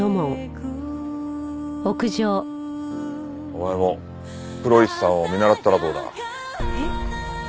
お前も黒石さんを見習ったらどうだ？えっ？